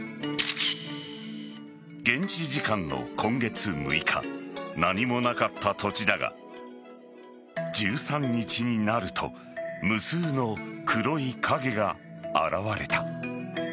現地時間の今月６日何もなかった土地だが１３日になると無数の黒い影が現れた。